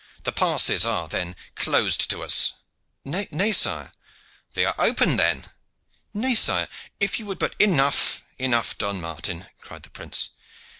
The passes are, then, closed to us?" "Nay, sire " "They are open, then?" "Nay, sire, if you would but " "Enough, enough, Don Martin," cried the prince.